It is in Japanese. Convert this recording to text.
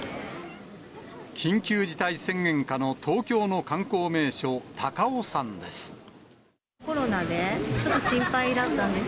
緊急事態宣言下の東京の観光名所、高尾山です。